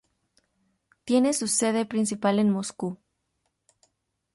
Tiene su sede principal en Moscú.